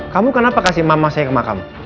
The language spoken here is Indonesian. kamu kenapa kasih mama saya ke makam